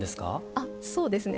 あっそうですね。